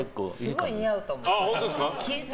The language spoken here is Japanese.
すごい似合うと思う。